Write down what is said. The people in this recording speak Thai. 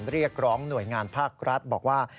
เรียกร้องหน่วยงานภาครัฐบอกว่า